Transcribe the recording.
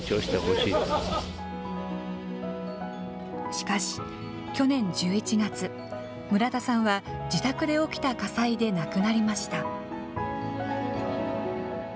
しかし、去年１１月、村田さんは自宅で起きた火災で亡くなりました。